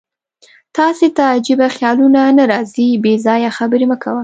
تاسې ته عجیب خیالونه نه راځي؟ بېځایه خبرې مه کوه.